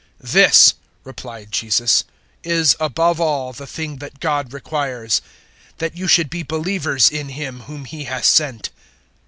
006:029 "This," replied Jesus, "is above all the thing that God requires that you should be believers in Him whom He has sent."